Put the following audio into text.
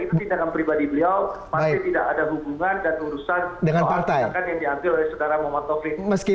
itu tindakan pribadi beliau pasti tidak ada hubungan dan urusan soal tindakan yang diambil oleh saudara muhammad taufik